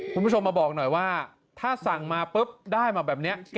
คุณผู้ชมมาบอกหน่อยว่าถ้าสั่งมาปุ๊บได้มาแบบนี้